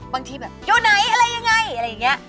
บางทีแบบอยู่ไหนอะไรยังไงอะไรอย่างนี้